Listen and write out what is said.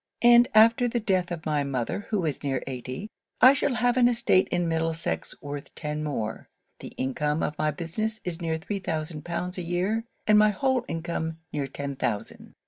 And after the death of my mother, who is near eighty, I shall have an estate in Middlesex worth ten more. The income of my business is near three thousand pounds a year; and my whole income near ten thousand.